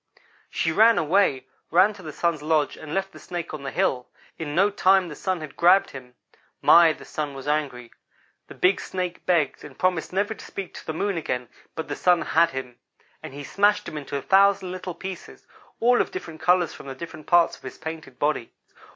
"She ran away; ran to the Sun's lodge and left the Snake on the hill. In no time the Sun had grabbed him. My, the Sun was angry! The big Snake begged, and promised never to speak to the Moon again, but the Sun had him; and he smashed him into thousands of little pieces, all of different colors from the different parts of his painted body.